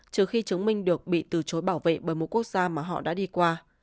trừ khi chứng minh được bị từ chối bảo vệ bởi một quốc gia mà họ đã đi qua